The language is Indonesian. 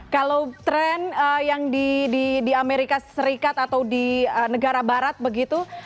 kalau tren yang di amerika serikat atau di negara barat begitu